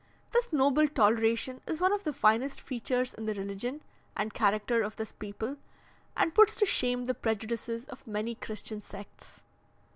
This noble toleration is one of the finest features in the religion and character of this people, and puts to shame the prejudices of many Christian sects.